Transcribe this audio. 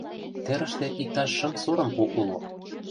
Терыште иктаж шым сорым пу уло.